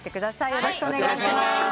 よろしくお願いします。